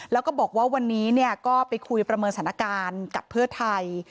แล้วก็บอกว่าวันนี้ก็ไปคุยประเมินสถานการณ์กับเพื่อไทย